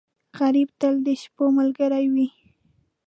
غریب تل د شپو ملګری وي